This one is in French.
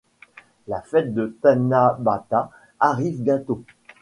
La fête du Tanabata arrive bientôt.